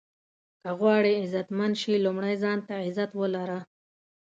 که غواړئ عزتمند شې لومړی ځان ته عزت ولره.